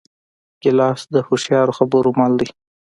ګیلاس د هوښیارو خبرو مل دی.